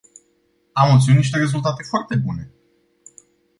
Am obținut niște rezultate foarte bune.